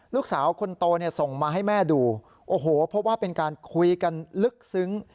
ลูกสาวคนโตส่งมาให้แม่ดูเพราะว่าเป็นการคุยกันลึกซึ้ง